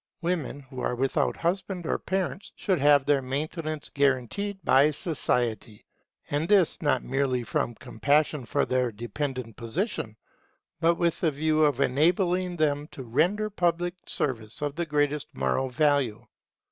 Women who are without husband or parents should have their maintenance guaranteed by society; and this not merely from compassion for their dependent position, but with the view of enabling them to render public service of the greatest moral value.